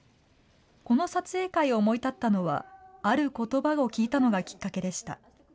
この撮影会を思い立ったのは、あることばを聞いたのがきっかけでした。